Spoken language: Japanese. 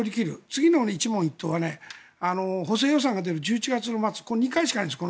次の一問一答は補正予算が出る１１月末この２回しかないんです